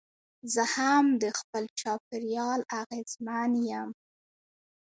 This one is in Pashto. زه هم د خپل چاپېریال اغېزمن یم.